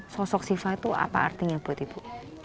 sosok siva itu apa artinya buat ibu